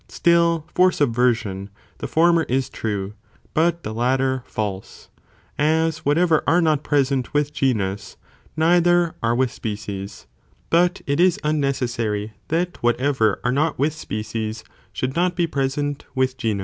Still for subversion, the former is true, but the latter false, as whatever are not present with genus, neither are with species, but it is unnecessary that whatever are not with species, should not be present with genus.